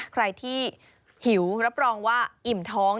ใครที่หิวรับรองว่าอิ่มท้อง